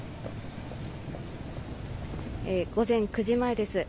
午前９時前です。